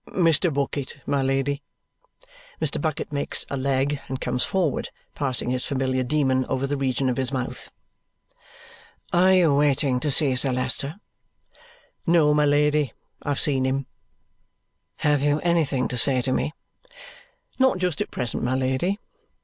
"Mr. Bucket, my Lady." Mr. Bucket makes a leg and comes forward, passing his familiar demon over the region of his mouth. "Are you waiting to see Sir Leicester?" "No, my Lady, I've seen him!" "Have you anything to say to me?" "Not just at present, my Lady."